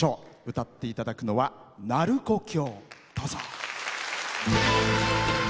歌っていただくのは「鳴子峡」。